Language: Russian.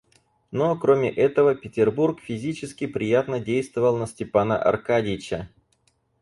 Но, кроме этого, Петербург физически приятно действовал на Степана Аркадьича.